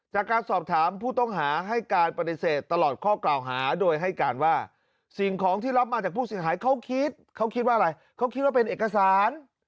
จากการสอบถามผู้ต้องหาให้การปฏิเสธตลอดข้อกล่าวหาโดยให้การว่าสิ่งของที่รับมาจากผู้เสียหายเขาคิดเขาคิดว่าอะไรเขาคิดว่าเป็นเอกสาร